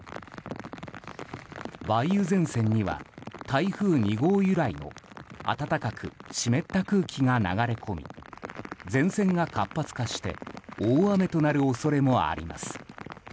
梅雨前線には台風２号由来の暖かく湿った空気が流れ込み前線が活発化して大雨となる恐れもあります。